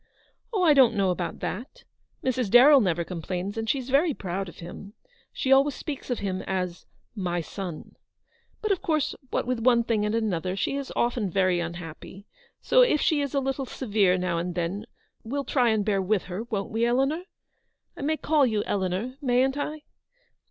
" Oh, I don't know about that ! Mrs. Darrell never complains, and she's very proud of him. She always speaks of him as 'my son.' But, of course, what with one thing and another, she is often very unhappy. So, if she is a little severe, now and then, we'll try and bear with her, won't we, Eleanor ? I may call you Eleanor, mayn't I